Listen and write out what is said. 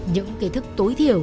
những kế thức tối thiểu